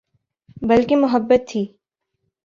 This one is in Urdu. بلکہ محبت تھی